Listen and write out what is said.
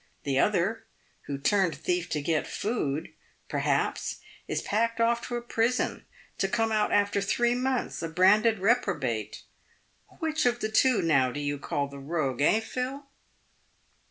The other, who turned thief to get food, perhaps, is packed off to a prison to come out, after three months, a branded reprobate. Which of the two, now, do you call the rogue, eh, Phil